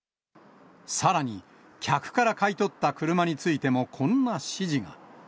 さらに、客から買い取った車についてもこんな指示が。